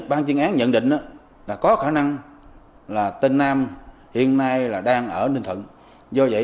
do vậy ban chuyên án nhận định là có khả năng là tên nam hiện nay đang ở ninh thuận